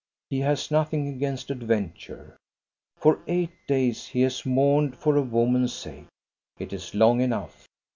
He has nothing against adventure. For eight days he has mourned for a woman's sake. It is long enough.